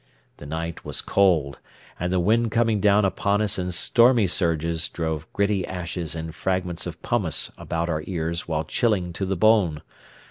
The night was cold, and the wind coming down upon us in stormy surges drove gritty ashes and fragments of pumice about our ears while chilling to the bone.